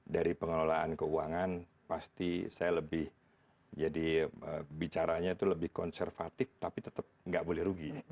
dari pengelolaan keuangan pasti saya lebih jadi bicaranya itu lebih konservatif tapi tetap nggak boleh rugi